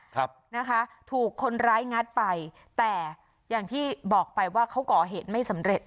ครับนะคะถูกคนร้ายงัดไปแต่อย่างที่บอกไปว่าเขาก่อเหตุไม่สำเร็จ